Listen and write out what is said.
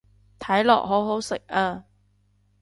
睇落好好食啊